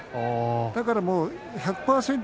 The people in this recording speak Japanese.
だから１００％